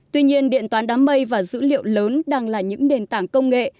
tuy nhiên điện toán đám mây và dữ liệu lớn đang là những nền tảng công nghệ